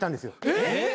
えっ！